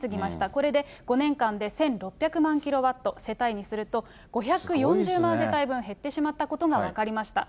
これで５年間で、１６００万キロワット、世帯数にすると５４０万世帯分、減ってしまったことが分かりました。